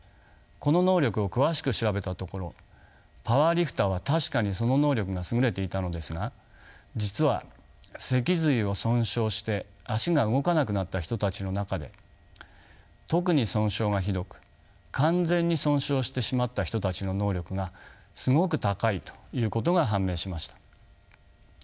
この能力を詳しく調べたところパワーリフターは確かにその能力が優れていたのですが実は脊髄を損傷して足が動かなくなった人たちの中で特に損傷がひどく完全に損傷してしまった人たちの能力がすごく高いということが判明しました。